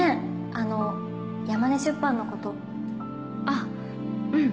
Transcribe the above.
あのヤマネ出版のことあっうん